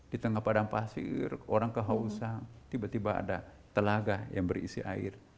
di tengah padang pasir orang kehausan tiba tiba ada telaga yang berisi air